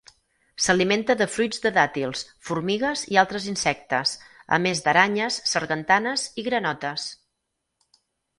S'alimenta de fruits de dàtils, formigues i altres insectes, a més d'aranyes, sargantanes i granotes.